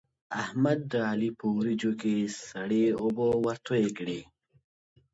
احمد د علي په وريجو کې سړې اوبه ورتوی کړې.